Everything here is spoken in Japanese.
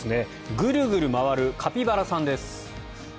グルグル回るカピバラさんです。